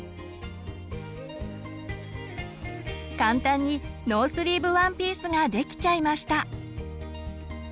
簡単にノースリーブワンピースができちゃいました。